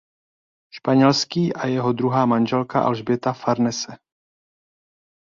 Španělský a jeho druhá manželka Alžběta Farnese.